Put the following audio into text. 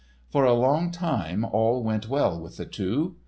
For a long time all went well with the two.